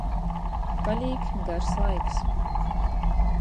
Palīk gars laiks.